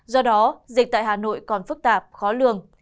do đó dịch tại hà nội còn phức tạp khó lường